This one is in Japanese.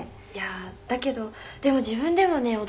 「いやーだけどでも自分ではね